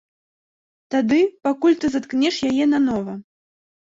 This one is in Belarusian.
Тады пакуль ты заткнеш яе нанова!